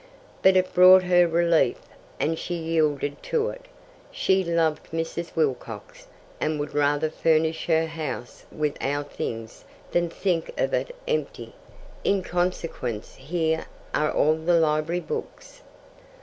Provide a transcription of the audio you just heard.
But it brought her relief, and she yielded to it. "She loved Mrs. Wilcox, and would rather furnish her house with our things than think of it empty. In consequence here are all the library books.